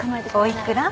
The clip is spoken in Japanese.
お幾ら？